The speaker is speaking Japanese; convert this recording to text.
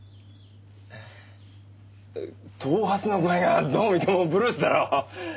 頭髪の具合がどう見てもブルースだろ。